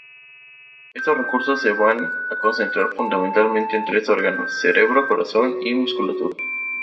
Estos recursos se van a concentrar fundamentalmente en tres órganos, cerebro, corazón y musculatura.